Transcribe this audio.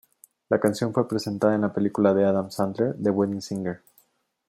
La canción fue presentada en la película de Adam Sandler The Wedding Singer.